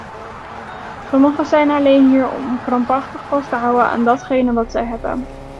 Sommigen zijn alleen hier om krampachtig vast te houden aan datgene wat zij hebben.